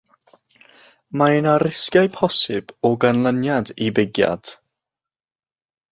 Mae yna risgiau posib o ganlyniad i bigiad.